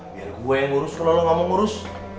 biar gua yang ngurus kalo lu gak mau ngurus